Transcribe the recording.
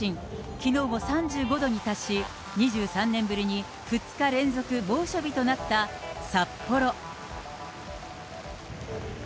きのうも３５度に達し、２３年ぶりに２日連続猛暑日となった札幌。